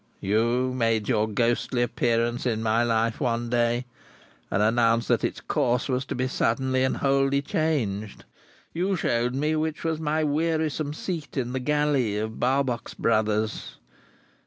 You made your ghostly appearance in my life one day, and announced that its course was to be suddenly and wholly changed. You showed me which was my wearisome seat in the Galley of Barbox Brothers.